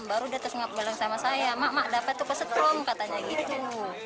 baru dia terus ngapain sama saya mak mak dapet tuh kesetrum katanya gitu